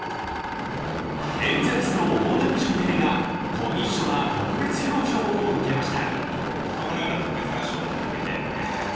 エンゼルスの大谷翔平がコミッショナー特別表彰を受けました。